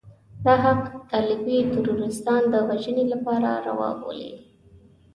دا حق طالبي تروريستان د وژنې لپاره روا بولي.